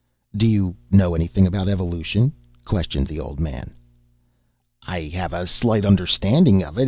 "Do you know anything about evolution?" questioned the old man. "I have a slight understanding of it.